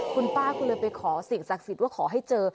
คุณป้าก็เลยไปขอสิ่งศักดิ์สิทธิ์ว่าขอให้เจอ